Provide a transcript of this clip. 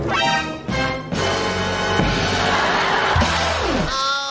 เฮ้ยไม่ไหว